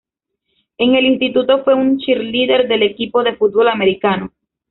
En el instituto fue una cheerleader del equipo de fútbol americano.